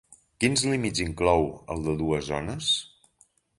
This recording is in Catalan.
Quins límits inclou el de dues zones?